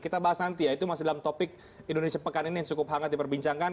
kita bahas nanti ya itu masih dalam topik indonesia pekan ini yang cukup hangat diperbincangkan